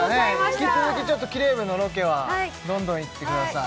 引き続きキレイ部のロケはどんどん行ってください